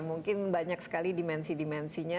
mungkin banyak sekali dimensi dimensinya